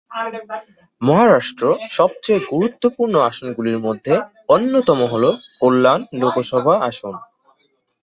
মহারাষ্ট্র সবচেয়ে গুরুত্বপূর্ণ আসনগুলির মধ্যে অন্যতম হল কল্যাণ লোকসভা আসন।